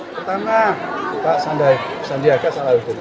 pertama pak sandiaga salahuddin